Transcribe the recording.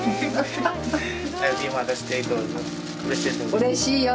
うれしいよ。